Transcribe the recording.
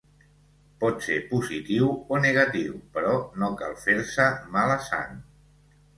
Pot ser positiu o negatiu, però no cal fer-se mala sang.